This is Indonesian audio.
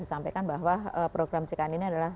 disampaikan bahwa program ckn ini adalah